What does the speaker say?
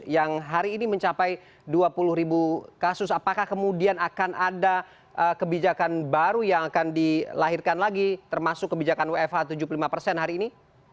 yang hari ini mencapai dua puluh ribu kasus apakah kemudian akan ada kebijakan baru yang akan dilahirkan lagi termasuk kebijakan wfh tujuh puluh lima persen hari ini